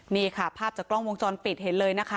นี่ค่ะภาพจากกล้องวงจรปิดเห็นเลยนะคะ